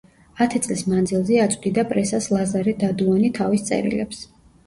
ათი წლის მანძილზე აწვდიდა პრესას ლაზარე დადუანი თავის წერილებს.